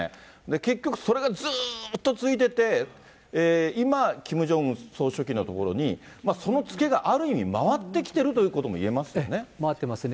結局、それがずっと続いてて、今、キム・ジョンウン総書記のところに、その付けが、ある意味、回ってきているということも言えますよね。